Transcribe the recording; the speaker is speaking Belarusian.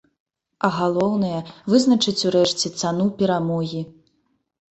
А галоўнае, вызначыць урэшце цану перамогі.